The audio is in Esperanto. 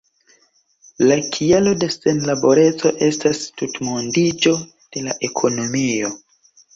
La kialo de senlaboreco estas tutmondiĝo de la ekonomio.